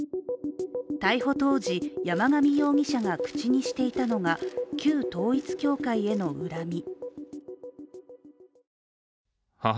逮捕当時、山上容疑者が口にしていたのが旧統一教会への恨み。